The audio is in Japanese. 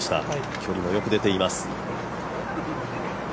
距離もよく出ています。